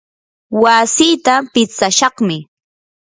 wasiita pitsashaqmi.